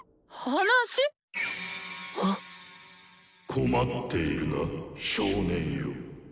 困っているな少年よ。